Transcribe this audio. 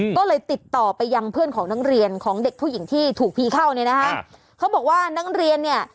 ก็เลยติดต่อไปยังเพื่อนของนักเรียนของเด็กผู้หญิงที่ถูกผีเข้าเนี่ยนะฮะเขาบอกว่านักเรียนเนี่ย